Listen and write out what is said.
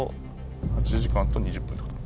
８時間と２０分ってこと。